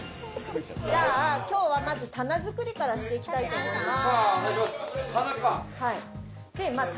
今日は棚作りからしていきたいと思います。